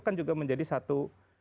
kan juga menjadi satu